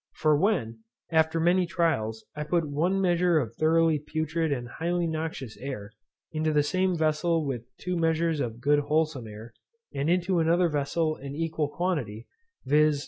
For when, after many trials, I put one measure of thoroughly putrid and highly noxious air, into the same vessel with two measures of good wholesome air, and into another vessel an equal quantity, viz.